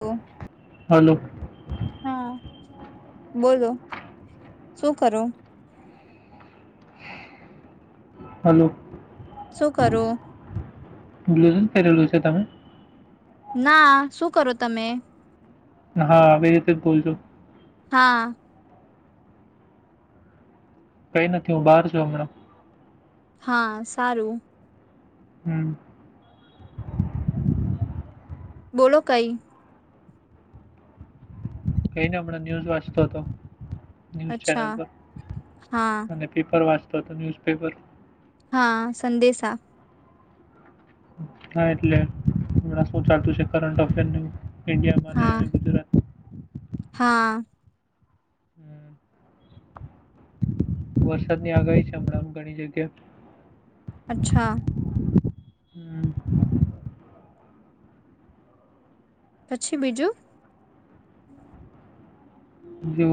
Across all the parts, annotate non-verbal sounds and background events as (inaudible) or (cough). તો. હલો. બોલો, શું કરો? હલો. શું કરો? ગ્લુઝન પહેરેલું છે તમે? ના શું કરો તમે? હા, આવે એટલે જ બોલજો. હા. કઈ નથી હું બહાર છું હમણાં. હા, સારું. હમ. બોલો કઈ કઈ દીયો હમણાં ન્યૂઝ વાંચતો હતો. ન્યઝ ચેનલ અચ્છા પર હા અને પેપર વા (unintelligible) ન્યૂઝપેપર હા, સંદેશા. હા એટલે, હમણા શું ચાલતું છે કરંટ અફેરની ઇન્ડિયામાં હા અને ગુજરાત હા. વરસાદની આગાહી છે હમણાં ઘણી જગ્યા અચ્છા. (unintelligible) પછી બીજું? જો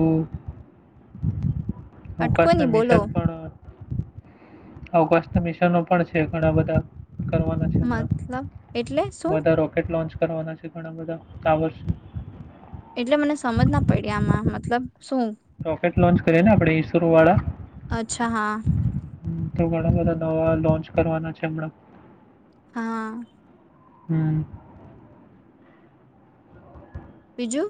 અટકો અવકાશના ની બોલો મિશાદ પણ અવકાશના મિશનો પણ છે ઘણા બધા કરવાના છે મતલબ એટલે હમણાં શું બધા રોકેટ લોન્ચ કરવાના છે ઘણા બધા તા વર્ષ એટલે મને સમજ ના પડી આમાં. મતલબ શું? રોકેટ લોન્ચ કરેને આપડે ઈસરોવાળા? અચ્છા હા. હન. તો ઘણા બધા નવા લોન્ચ કરવાના છે હમણાં. હા. હમ્મ. બીજું?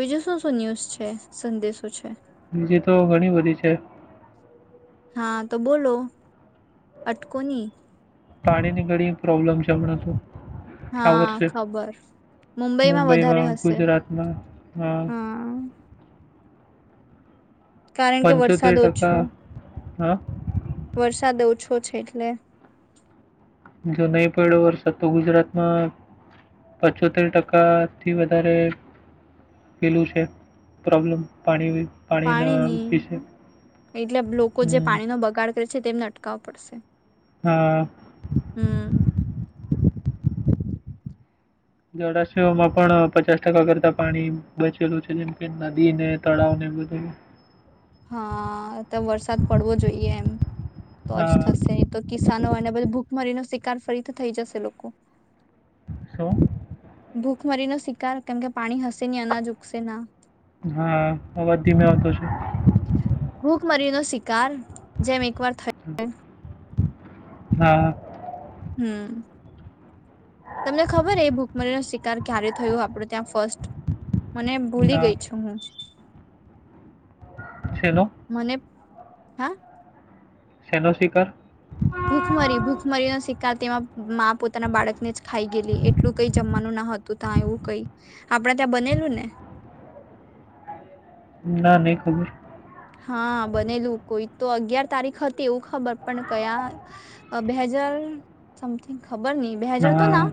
બીજું શું શું ન્યુઝ છે, સંદેશો છે? બીજી તો ઘણી બધી છે. હા, તો બોલો. અટકો ની. પાણીની ઘણી પ્રોબ્લેમ છે હમણાં તો. આ હા, વર્ષે ખબર. મુંબઈમાં વધારે હશે. હા. કારણ કે વરસાદ પંચોતેર ઓછો ટકા હા. વરસાદ ઓછો છે એટલે જો નહીં પયડો વરસાદ તો ગુજરાતમાં પચોતેર ટકાથી વધારે પેલું છે. પ્રોબ્લમ પાણી પાણીના પાણીની વિશે એટલે બ લોકો જે હમ પાણીનો બગાડ કરે છે તેમને અટકાવ પડશે. હા. હમ જળાશયોમાં પણ પચાસ ટકા કરતા પાણી બચેલું છે જેમ કે નદીને તળાવને બધું હા, તો વરસાદ પડવો જોઈએ એમ. તો જ થશે હા ન તો કિસાનો અને બધું ભૂ મરીનો શિકાર ફરીથી થઈ જશે લોકો. (inaudible) ભૂખ મરીનો શિકાર કેમકે પાણી હશે ની અનાજ ઉગશે ના. હા, અવાજ ધીમે આવતો છે. ભૂખમરી નો શિકાર જેમ એક વાર થઈ હા. હમ્હહમ. તમને ખબર એ ભૂખમરીનો શિકાર ક્યારે થયો આપડું ત્યાં ફર્સ્ટ? મને ભૂલી ના ગઈ છું હું. છેલ્લો મને, હા? શેનો શિકાર? ભૂખમરી ભૂખમરીનો શિકાર તેમા માં પોતાના બાળકને જ ખાઈ ગેલી. એટલું તોય જમવાનું ના હતું તા એવું કઈ. આપણે તાં બનેલું ને? ના, નઈ ખબર. હા બનેલું કોઈ તો અગિયાર તારીખ હતી એવું ખબર પણ કયા અ બે હજાર સમથિંગ ખબર ની બે હજાર તો ના હા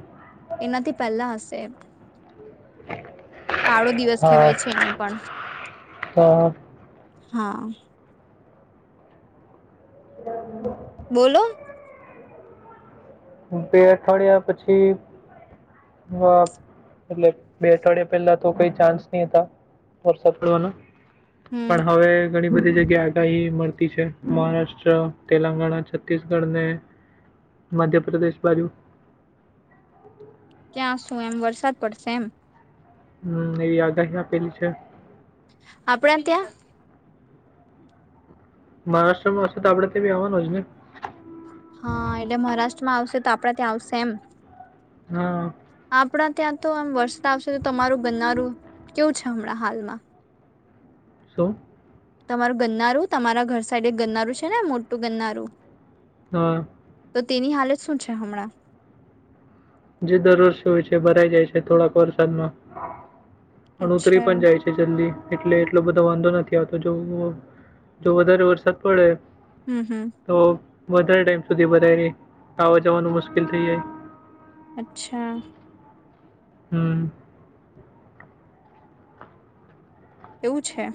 એનાથી પેલા હશે કાળો દિવસ હા કહેવાય છે એને પણ તો હા બોલો બે અઠવાડિયા પછી અ એટલે બે અઠવાડિયા પેલા તો કઈ ચાન્સ ની હતા વરસાદ પડવાનો હમ પણ હવે ઘણી બધી જગ્યા આગાહી મળતી છે મહારાષ્ટ્ર તેલંગાણા છત્તીસગઢ ને મધ્યપ્રદેશ બાજુ ક્યાં શું એમ વરસાદ પડશે એમ હમ એવી આગાહી આપેલી છે. આપણે ત્યાં મહારાષ્ટ્રમાં હશે તો આપડે તે ભી આવવાનો જ ને હા એટલે મહારાષ્ટ્રમાં આવશે તો આપડા ત્યાં આવશે એમ હા આપણા ત્યાં તો આમ વરસાદ આવશે તો તમારું ગનનારું કેવું છે હમણાં હાલમાં સું તમારું ગન્નારું તમારા ઘર સાઇડ ગન્નારું છે ને મોટું ગન્નારું હા તો તેની હાલત સુ છે હમણાં જે દરરોજ હોય છે ભરાઈ જાય છે થોડાક વરસાદમાં. પણ ઉતરી અચ્છા પણ જાય છે જલ્દી એટલે એટલો બધો વાંધો નથી આવતો જો જો વધારે વરસાદ પડે હમ્મ હમ્મ. તો વધારે ટાઈમ સુધી ભરાય રેય, આવવા જવાનું મુશ્કેલ થઈ જાય. અચ્છા. હમ્મ. એવું છે.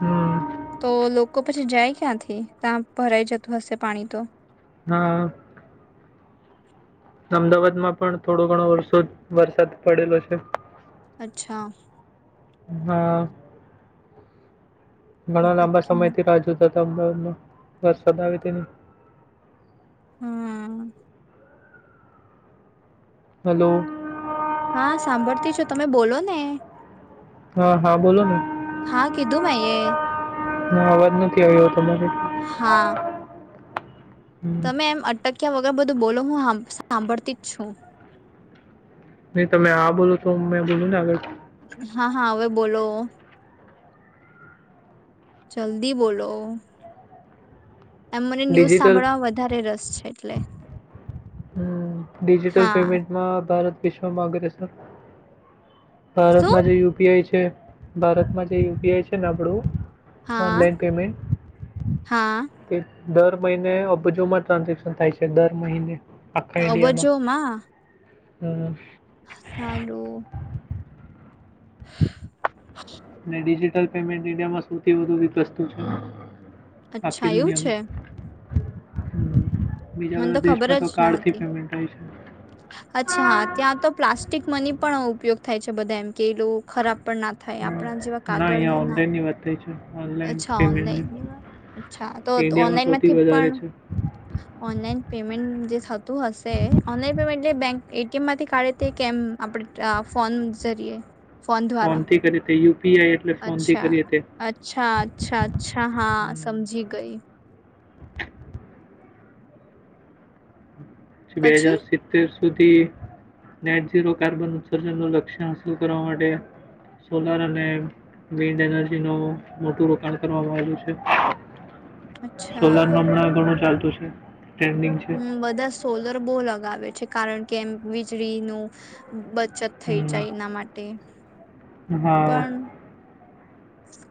હમ. તો લોકો પછી જાય ક્યાંથી ત્યાં ભરાઈ જતું હશે પાણી તો? હા. અમદાવાદ માં પણ થોડો ઘણો વરસોદ વરસાદ પડેલો છે. અચ્છા. હા. ઘણા લાંબા સમય અટકમાં થી રા જોતા અમદાવાદમાં વરસાદ આવે ની. હમ. હલો. હા સાંભળતી છુ તમે બોલો ને. હા હા બોલો ને. હા કીધું મે એ. હ અવાજ નથી આવ્યો તમને? હા. હમ. તમે એમ અટક ક્યાં વગર બધું બોલો હું સાંભળતી જ છું. નહી તમે આ બોલ તો મેં બોલું ને આગળ. હા હા હવે બોલો, જલ્દી બોલો. એમ મને ન્યૂઝ ડિજિટલ સાંભળવામાં વધારે રસ છે એટલે. હમ ડિજિટલ હા પેમેન્ટમાં ભારત વિશ્વમાંગ્રેસ શું ભારતમાં જે યુ પી આઈ છે જે ભારતમાં જે યુ પી આઈ છે ને આપડું હા ઓનલાઈન પેમેન્ટ. હા દર મહિને અબજુમાં ટ્રાન્ઝેક્શન થાય છે દર મહિને. અબજોમાં. હા. હાલો. ને ડીજીટલ િયા સૌથી વધ વસ્તુ છે (unintelligible) અચ્છા આખી એવું છે. દુનિયામાં હમ. બીજા મને તો બધા ખબર દેશમાં જ ન કાર્ડથી હતી પેમેન્ટ થાય છે અચ્છાા ત્યાં તો પ્લાસ્ટિક મની પણ ઉપયોગ થાય છે બધા એમ કે એ લોકો ખરાબ પણ ના થાય આપણા જેવા ના અહં કાગળના ના ઓનલાઈન ની વાત છે. ઓનલાઈન અચ્છા પેમેન્ટની. ઓનલાઈન અ્છા તો તે ઇન્ડિયામાં ઓનલાઈન સૌથી માંથી વધારે પણ છે. ઓનલાન પેમેન્ટ જે થતું હશે ઓનલાન પેમેન્ટંક એટીએમ માંથી કાઢે તે કેમ આપણે ફોન જરીયએ ફોન થી કરી થયું. અચ્છા અચ્છા અચ્છા અચ્છા હા હમ. સમજીી ગઈ (inaudible) બે પછી હજાર સિતત્રીર (unintelligible) સુધી નેટ ઝીરો કાર્બન ઉત્સર્જનનું લક્ષ્ય હાંસલ કરવા માટે સોલાર અને વિન્ડ એનર્જીનું મોટું રોકાણ કરવામાં આવેલ્યું છે. સોલાર અચ્છા નોમ ના ઘણું ચાલતું તો છે. ટ્રેન્ડિંગ છે. હમ બધા સોલર બો લગાવે છે કારણ કે એમ વીજળીનું બ બચત થઈ હમ. જાય એના માટે હા, પણ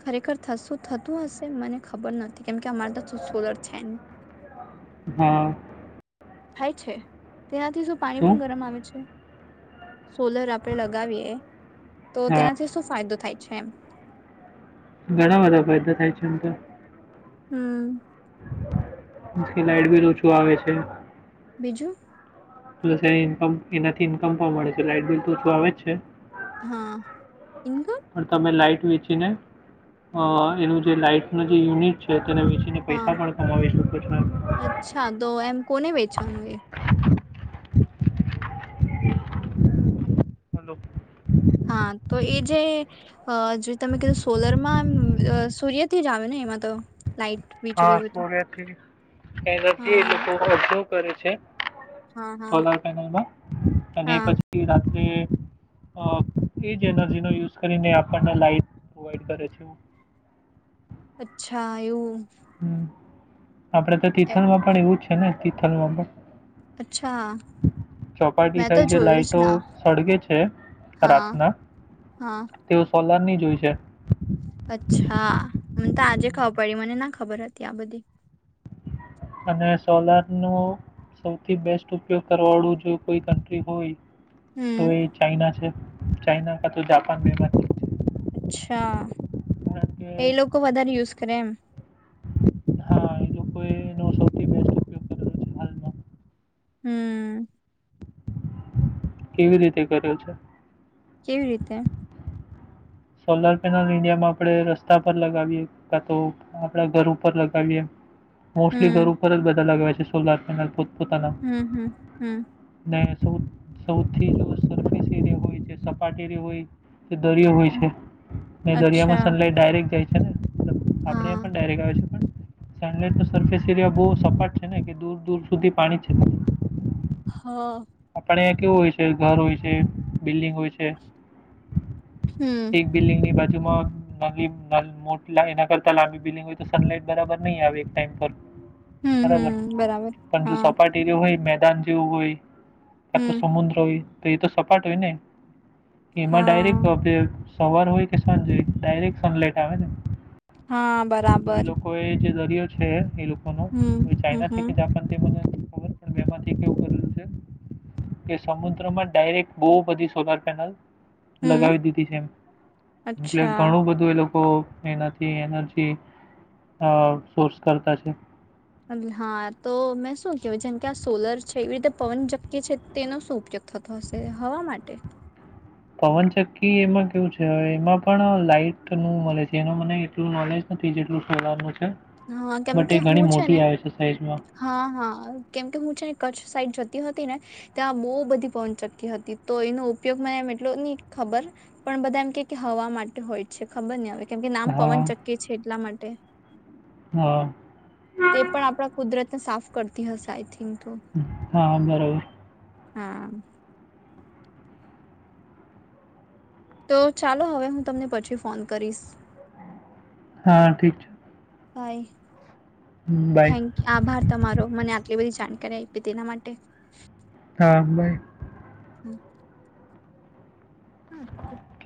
ખરેખરું થતું હશે મને ખબર નથી કેમ કે અમારે તો શું સોલર છે ની. હા. થાય છે? તેનાથી શું પાણી પણ ગરમ આવે છે? સોલર આપડે લગાવીએ તો હા. તેનાથી શું ફાયદો થાય? છેમ. ઘણા બધા ફાયદા થાય છે એમ તો હમ. થી લાઈટ બીલ ઓછું આવે છે. બીજું? પલસ એનાથી ઇન્કમ પણ મળે છે લાઈટ બિલ તો ઓછું આવે જ છે. હા. ઇન્કમ પણ તમે લાઈટ વેચીને એનું જે લાઈટ ન જે યુનિટ છે તેને વેસીને પૈસા હા પણ કમાવી શકો છો. અચ્છા તો એમ કોને વેચવાનું એ હલો. હા તો એ જે જે તમે કીધું સોલરમાં સૂર્યથી જ આવે ને એમાં તો? લાઈટ હા વીજળી બધું સૂરજથી હા (unintelligible) કરે છે. હા હા સોલાર પેનલમાં અને હા પછી એ જ, એ જ એનર્જીનો યુઝ કરીને આપણને લાઈટ પ્રોવાઈડ કરે છે અચ્છા એવું હમ આપડે તો એ- તિથલમાં પણ એવું જ અને તીથલ અંદર અચ્છા ચોપાટી મેં તો સાઈડ જે જોયું જ લાાઈટો ના સળગે છે હા રાતના હા તેઓ સોલાર ની જોઈ છે અચ્છા (unintelligible) મને ના ખબર હતી આ બધી અને સોલાર નો સૌથી બેસ્ટ ઉપયોગ કરવાળું જો કોઈ કન્ટ્રી હોય તો હમ એ ચાઈના છે ચાઈના કા તો જાપાન મે અચ્છા એ કે લોકો વધારે યુઝ કરે એમ? કોઈ ન સથી હમ કેવી રીતે કર્યો છે કેવી રીતે? સોલાર પેનલ ઇન્ડિયામાં આપણે રસ્તા પર લગાવીએ કા તો આપણા ઘર ઉપર લગાવીએ મોસ્ટલી ઘર ઉપર જ બધા લગાવાય સોલાર પેનલ તો હમ્મ, હમ્મ, હમ્મ સ સૌથી સર્ફિસ એરિયા હોય સપાટ એરિયા હોય કે દરીયો હોય હમ છે દરિયામાં અચ્છા સનલાઇટ ડાયરેક જાય છે ને આપડે હા પણ ડાયરેક્ટ આવે છે પણ સનલાઈટ નો સરર્ફેસ એરિયા બહુ સપાટ છે ને કે દૂર દૂર સુધી પાણી છે હા આપણે અહીંયા કેવું હોય છે, ઘર હોય છે, બિલ્ડિંગ હોય છે હમ એક બિલ્ડિંગની જેમાં (unintelligible) મોટી એના કરતા લાંબી બિલ્ડીંગ હોય તો સનલાઈટ બરાબર નહી આવે, એક ટાઈમ પર હમ બરાબર, હમ બરાબર પણ જો હા સપાટી જો હોય મે દં જું હોઈ કા તો હમ સમુદ્રય હોય તો એ તો સપાટ હોય ને એમાં ડાયરેક્ટ હા (unintelligible) સવાર હોય કે, સાંજ હોય ડાયરેક્ટ સનલાઈટ આવે ને. હા તો એ બરાબર. લોકોએ જે દરિયો છે. એ લોકોનો હમ એ હમ ચાઈના છે હમ કે જાપાન તે મને પણમાંથી કેવું કરલ છે કે, સમુદ્રમાં ડાયરેક્ટ બહ બધી સોલાર પેનલ હમ લગાવી દીધી છે એમ. એટલે અચ્છા ઘણું બધું એ લોકો એનાથી એનર્જી અ સોર્સ કરતા છે. હા તો મેં શું કેય છુ, જેમ કે આ સોલર છે, એવી રીતે પવન ચકી છે. તેનો શું ઉપયોગ થતો હશે? હવા માટે? પવનચક્કી એમાં કેવું છે, એમાં પણ લાાઈટ નું મળે છે. એનું મને એટલું નોલેજ નથી જેટલું સોલાર નું હા કેમ કે હું છે ને. હા હા કેમકે હું છે ને કચ્છ સાઈડ જત હતી ને ત્યાં બહુ બધી પવન ચકી હતી. તો એનો ઉપયોગ મને એમ એટલો નહી ખબર. પણ બધા એમ કે હવા માટે હોય છે. ખબર નહિ હવે કેમ કે નામ પવન હા ચકી છે. એટલા માટે એ હા તે પણ આપડા કુદરતને સાફ કરતી હશે આઈ થિંક. તો હા બરોબર. (inaudible) તો ચાલો હવે હું તમને પછી ફોન કરીશ. હા ઠીક છે. (inaudible) બાય થેન્ક યુ આભાર તમારો મને આટલી બધી જાણ કર આપી તેના માટે હા બાઈ. (inaudible) (inaudible)